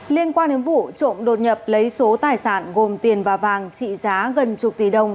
liên quan đến vụ trộm đột nhập lấy số tài sản gồm tiền và vàng trị giá gần chục tỷ đồng